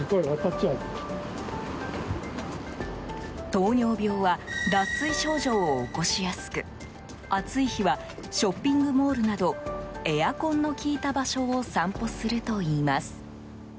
糖尿病は脱水症状を起こしやすく暑い日はショッピングモールなどエアコンの利いた場所を散歩するといいます。